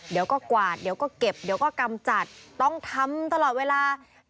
เดี๋ยวก็กวาดเดี๋ยวก็เก็บเดี๋ยวก็กำจัดต้องทำตลอดเวลา